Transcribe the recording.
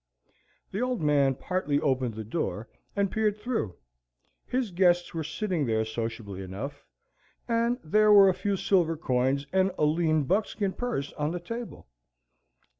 The Old Man partly opened the door and peered through. His guests were sitting there sociably enough, and there were a few silver coins and a lean buckskin purse on the table.